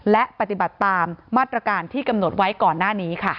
และปฏิบัติตามมาตรการที่กำหนดไว้ก่อนหน้านี้ค่ะ